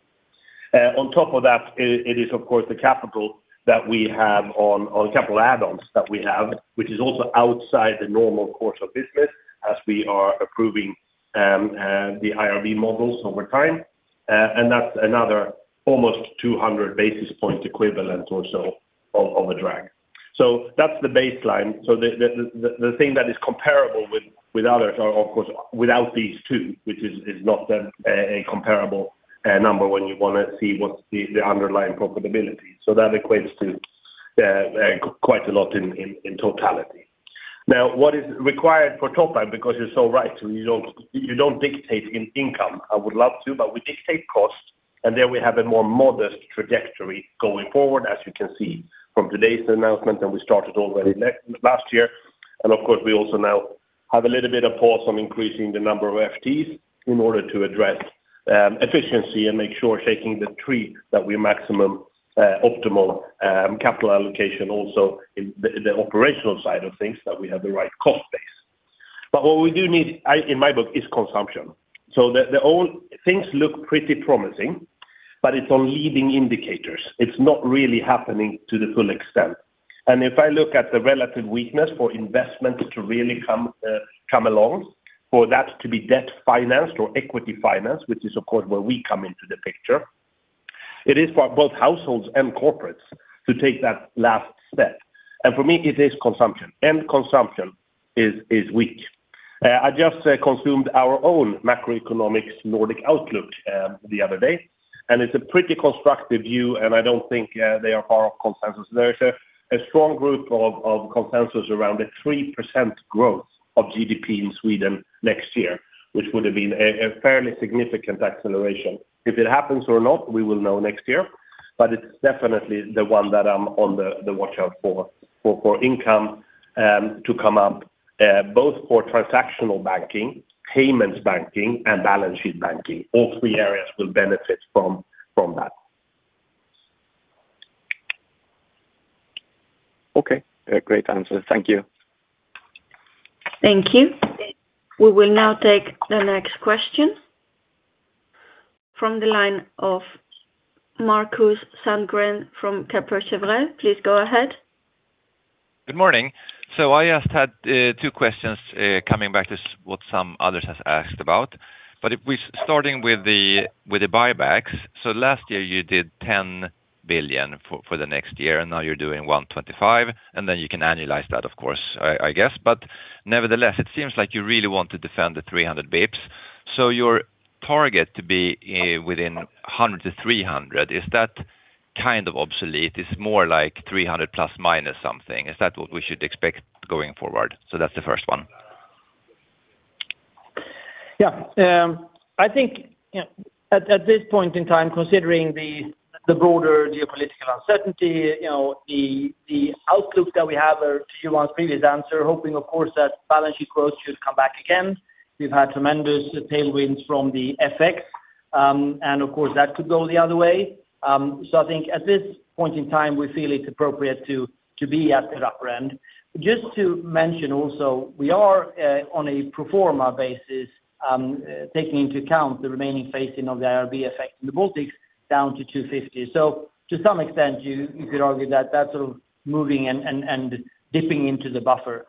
On top of that, it is, of course, the capital that we have on capital add-ons that we have, which is also outside the normal course of business as we are approving the IRB models over time. And that's another almost 200 basis point equivalent or so of a drag. So that's the baseline. So the thing that is comparable with others are, of course, without these two, which is not a comparable number when you want to see what's the underlying profitability. So that equates to quite a lot in totality. Now, what is required for top-up, because you're so right, you don't dictate in income. I would love to, but we dictate costs. And there we have a more modest trajectory going forward, as you can see from today's announcement, and we started already last year. And of course, we also now have a little bit of pause on increasing the number of FTs in order to address efficiency and make sure shaking the tree that we maximum optimal capital allocation also in the operational side of things that we have the right cost base. But what we do need, in my book, is consumption. So things look pretty promising, but it's on leading indicators. It's not really happening to the full extent. And if I look at the relative weakness for investments to really come along, for that to be debt financed or equity financed, which is, of course, where we come into the picture, it is for both households and corporates to take that last step. And for me, it is consumption. And consumption is weak. I just consulted our own macroeconomic Nordic outlook the other day. And it's a pretty constructive view. And I don't think they are far off consensus. There is a strong group of consensus around a 3% growth of GDP in Sweden next year, which would have been a fairly significant acceleration. If it happens or not, we will know next year. But it's definitely the one that I'm on the watch out for income to come up, both for transactional banking, payments banking, and balance sheet banking. All three areas will benefit from that. Okay. Great answer. Thank you. Thank you. We will now take the next question from the line of Markus Sandgren from Kepler Cheuvreux. Please go ahead. Good morning. So I just had two questions coming back to what some others have asked about. But starting with the buybacks, so last year, you did 10 billion for the next year, and now you're doing 1.25 billion. And then you can annualize that, of course, I guess. But nevertheless, it seems like you really want to defend the 300 bps. So your target to be within 100-300, is that kind of obsolete? It's more like 300 ± something. Is that what we should expect going forward? So that's the first one. Yeah. I think at this point in time, considering the broader geopolitical uncertainty, the outlook that we have to your previous answer, hoping, of course, that balance sheet growth should come back again. We've had tremendous tailwinds from the FX. And of course, that could go the other way. So I think at this point in time, we feel it's appropriate to be at the upper end. Just to mention also, we are on a pro forma basis, taking into account the remaining phasing of the IRB effect in the Baltics down to 250. So to some extent, you could argue that that's sort of moving and dipping into the buffer.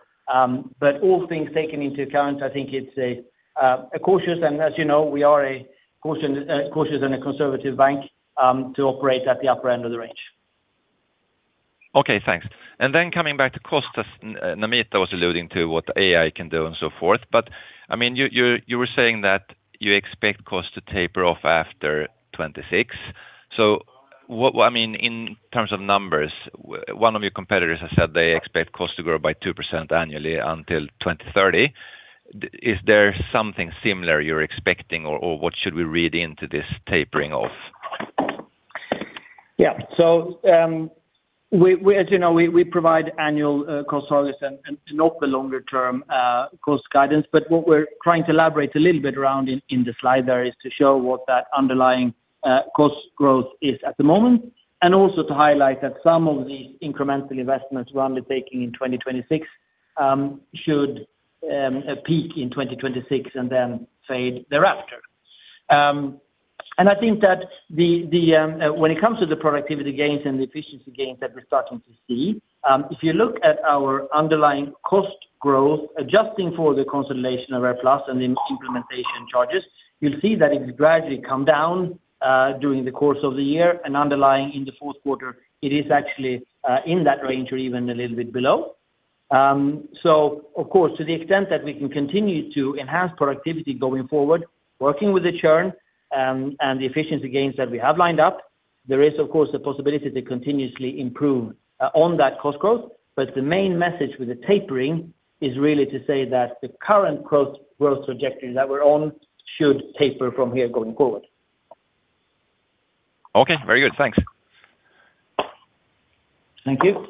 But all things taken into account, I think it's a cautious and as you know, we are a cautious and a conservative bank to operate at the upper end of the range. Okay. Thanks. And then coming back to cost, as Namita was alluding to what AI can do and so forth. But I mean, you were saying that you expect costs to taper off after 2026. So I mean, in terms of numbers, one of your competitors has said they expect costs to grow by 2% annually until 2030. Is there something similar you're expecting, or what should we read into this tapering off? Yeah. So as you know, we provide annual cost targets and not the longer-term cost guidance. But what we're trying to elaborate a little bit around in the slide there is to show what that underlying cost growth is at the moment. And also to highlight that some of these incremental investments we're undertaking in 2026 should peak in 2026 and then fade thereafter. I think that when it comes to the productivity gains and the efficiency gains that we're starting to see, if you look at our underlying cost growth, adjusting for the consolidation of AirPlus and the implementation charges, you'll see that it has gradually come down during the course of the year. Underlying in the fourth quarter, it is actually in that range or even a little bit below. So of course, to the extent that we can continue to enhance productivity going forward, working with the churn and the efficiency gains that we have lined up, there is, of course, a possibility to continuously improve on that cost growth. But the main message with the tapering is really to say that the current growth trajectory that we're on should taper from here going forward. Okay. Very good. Thanks. Thank you.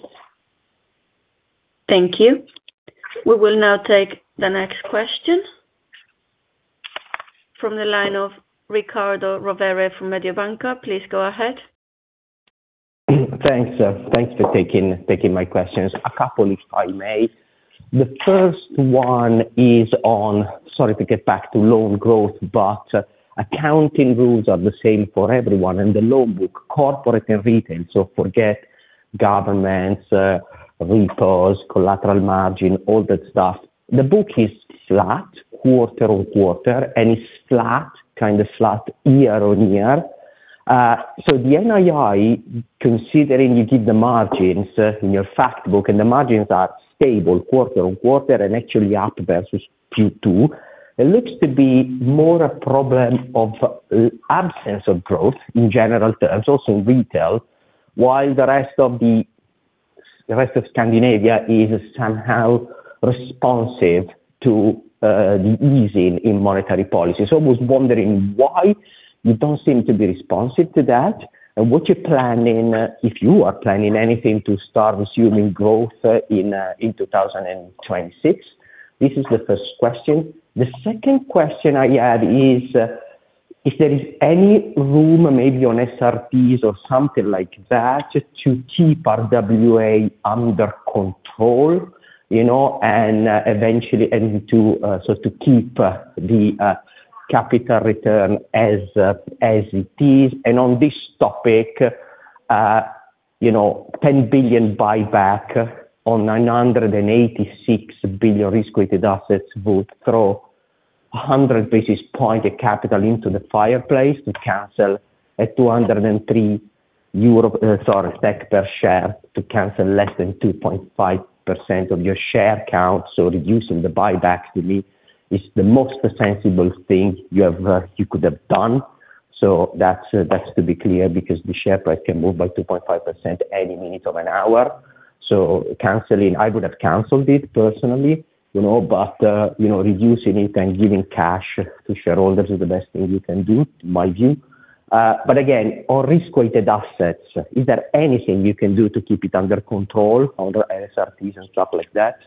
Thank you. We will now take the next question from the line of Riccardo Rovere from Mediobanca. Please go ahead. Thanks, sir. Thanks for taking my questions. A couple, if I may. The first one is on, sorry to get back to loan growth, but accounting rules are the same for everyone in the loan book, corporate and retail. So forget governments, repos, collateral margin, all that stuff. The book is flat, quarter-on-quarter, and it's flat, kind of flat year-on-year. So the NII, considering you give the margins in your Fact Book, and the margins are stable quarter-on-quarter and actually up versus Q2, it looks to be more a problem of absence of growth in general terms, also in retail, while the rest of Scandinavia is somehow responsive to the easing in monetary policy. So I was wondering why you don't seem to be responsive to that. What you're planning, if you are planning anything to start assuming growth in 2026, this is the first question. The second question I had is if there is any room, maybe on SRTs or something like that, to keep RWA under control and eventually so to keep the capital return as it is. On this topic, 10 billion buyback on 986 billion risk-weighted assets would throw 100 basis points of capital into the fireplace to cancel at SEK 203 per share to cancel less than 2.5% of your share count. Reducing the buyback to me is the most sensible thing you could have done. That's to be clear because the share price can move by 2.5% any minute of an hour. Canceling, I would have canceled it personally. But reducing it and giving cash to shareholders is the best thing you can do, my view. But again, on risk-weighted assets, is there anything you can do to keep it under control under SRTs and stuff like that?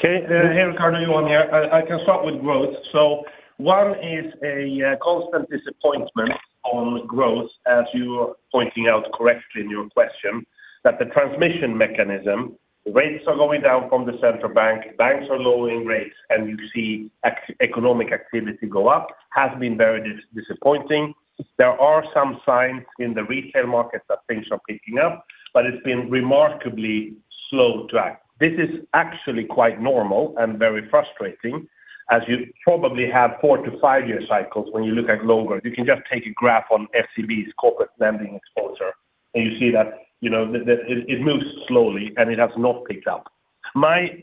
Okay. Hey, Riccardo, Johan here. I can start with growth. So one is a constant disappointment on growth, as you are pointing out correctly in your question, that the transmission mechanism, rates are going down from the central bank, banks are lowering rates, and you see economic activity go up, has been very disappointing. There are some signs in the retail market that things are picking up, but it's been remarkably slow track. This is actually quite normal and very frustrating, as you probably have four- to five-year cycles when you look at longer. You can just take a graph on SEB's corporate lending exposure, and you see that it moves slowly and it has not picked up. My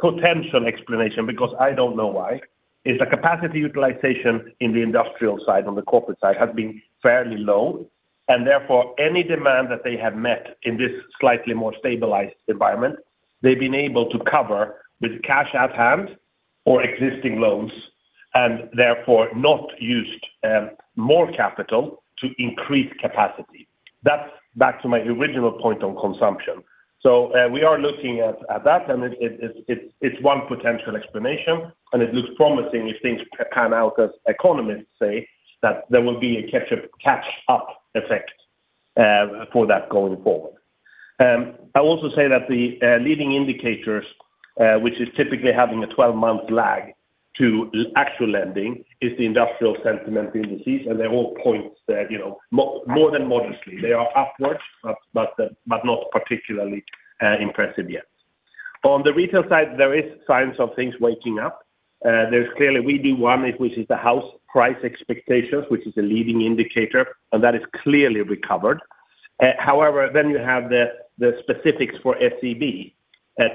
potential explanation, because I don't know why, is the capacity utilization in the industrial side on the corporate side has been fairly low. Therefore, any demand that they have met in this slightly more stabilized environment, they've been able to cover with cash at hand or existing loans and therefore not used more capital to increase capacity. That's back to my original point on consumption. We are looking at that, and it's one potential explanation. It looks promising if things pan out, as economists say, that there will be a catch-up effect for that going forward. I'll also say that the leading indicators, which is typically having a 12-month lag to actual lending, is the industrial sentiment indices. They all point more than modestly. They are upward, but not particularly impressive yet. On the retail side, there are signs of things waking up. There's clearly we do one, which is the house price expectations, which is a leading indicator, and that has clearly recovered. However, then you have the specifics for SEB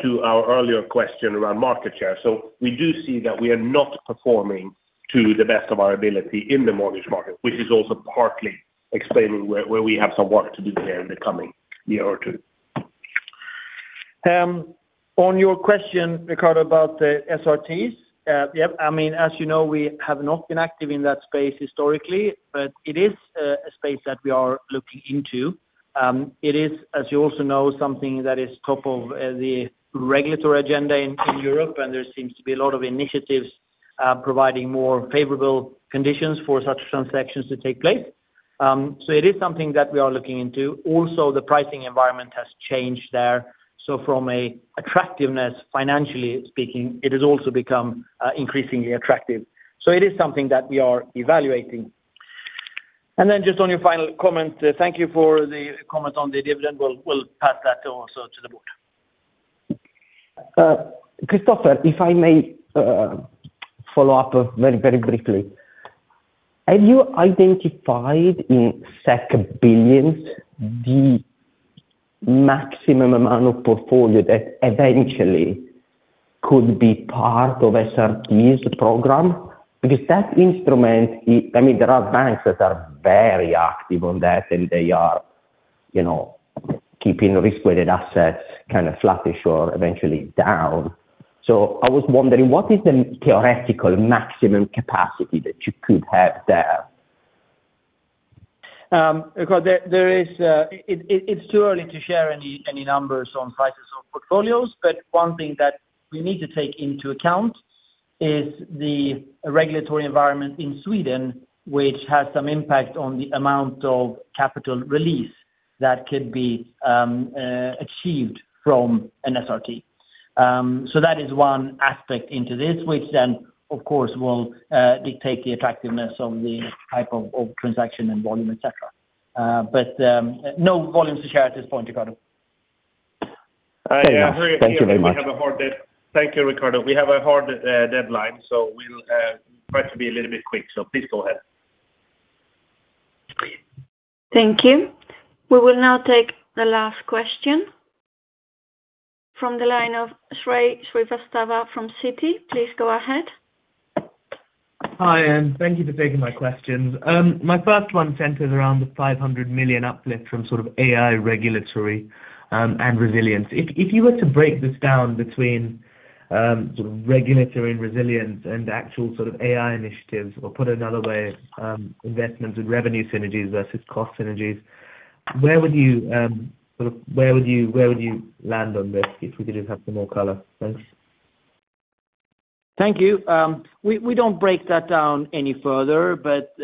to our earlier question around market share. So we do see that we are not performing to the best of our ability in the mortgage market, which is also partly explaining where we have some work to do here in the coming year or two. On your question, Riccardo, about the SRTs, I mean, as you know, we have not been active in that space historically, but it is a space that we are looking into. It is, as you also know, something that is top of the regulatory agenda in Europe, and there seems to be a lot of initiatives providing more favorable conditions for such transactions to take place. So it is something that we are looking into. Also, the pricing environment has changed there. So from an attractiveness, financially speaking, it has also become increasingly attractive. So it is something that we are evaluating. And then just on your final comment, thank you for the comment on the dividend. We'll pass that also to the board. Christopher, if I may follow up very, very briefly, have you identified in SEK of billions the maximum amount of portfolio that eventually could be part of SRT program? Because that instrument, I mean, there are banks that are very active on that, and they are keeping risk-weighted assets kind of flattish or eventually down. So I was wondering, what is the theoretical maximum capacity that you could have there? It's too early to share any numbers on sizes of portfolios, but one thing that we need to take into account is the regulatory environment in Sweden, which has some impact on the amount of capital release that could be achieved from an SRT. So that is one aspect into this, which then, of course, will dictate the attractiveness of the type of transaction and volume, etc. But no volume to share at this point, Riccardo. Thank you very much. Thank you, Riccardo. We have a hard deadline, so we'll try to be a little bit quick. So please go ahead. Thank you. We will now take the last question from the line of Shrey Srivastava from Citi. Please go ahead. Hi, and thank you for taking my questions. My first one centers around the 500 million uplift from sort of AI regulatory and resilience. If you were to break this down between regulatory and resilience and actual sort of AI initiatives, or put another way, investments and revenue synergies versus cost synergies, where would you sort of where would you land on this if we could just have some more color? Thanks. Thank you. We don't break that down any further, but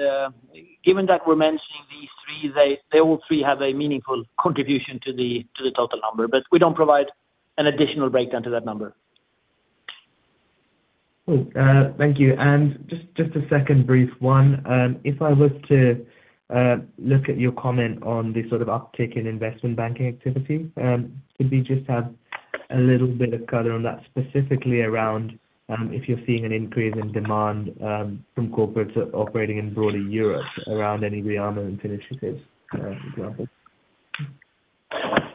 given that we're mentioning these three, they all three have a meaningful contribution to the total number. But we don't provide an additional breakdown to that number. Thank you. And just a second brief one. If I was to look at your comment on the sort of uptake in investment banking activity, could we just have a little bit of color on that, specifically around if you're seeing an increase in demand from corporates operating in broader Europe around any rearmament initiatives, for example?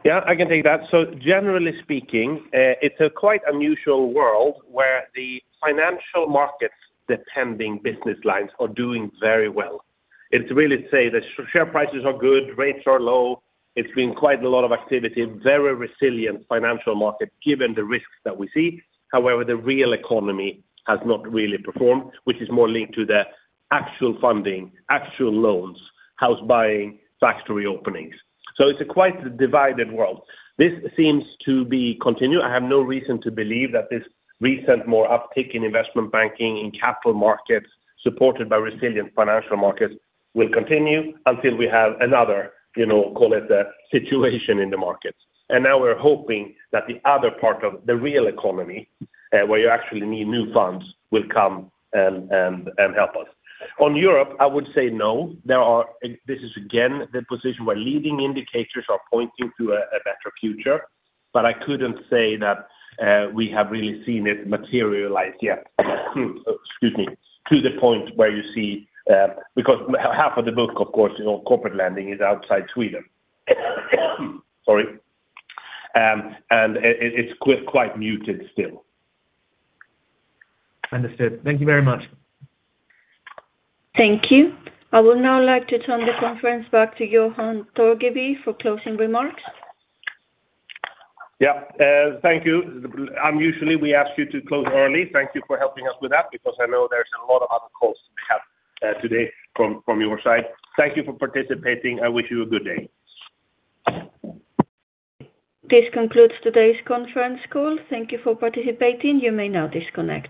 Yeah, I can take that. So generally speaking, it's a quite unusual world where the financial markets' depending business lines are doing very well. It's really to say that share prices are good, rates are low. It's been quite a lot of activity, very resilient financial market given the risks that we see. However, the real economy has not really performed, which is more linked to the actual funding, actual loans, house buying, factory openings. So it's a quite divided world. This seems to be continued. I have no reason to believe that this recent more uptake in investment banking in capital markets supported by resilient financial markets will continue until we have another, call it a situation in the markets. And now we're hoping that the other part of the real economy where you actually need new funds will come and help us. On Europe, I would say no. This is again the position where leading indicators are pointing to a better future, but I couldn't say that we have really seen it materialize yet. Excuse me. To the point where you see because half of the book, of course, corporate lending is outside Sweden. Sorry. And it's quite muted still. Understood. Thank you very much. Thank you. I would now like to turn the conference back to Johan Torgeby for closing remarks. Yeah. Thank you. Unusually, we ask you to close early. Thank you for helping us with that because I know there's a lot of other calls to be had today from your side. Thank you for participating. I wish you a good day. This concludes today's conference call. Thank you for participating. You may now disconnect.